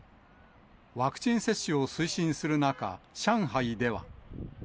ワクチン接種を推進する中、上海では。